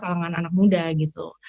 kalangan anak muda gitu